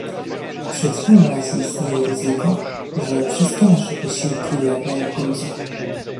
W przeciwnym razie istnieje ryzyko, że wszystkie nasze wysiłki legną w gruzach